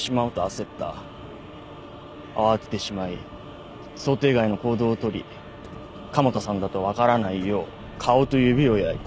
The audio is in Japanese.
慌ててしまい想定外の行動をとり加茂田さんだと分からないよう顔と指を焼いた。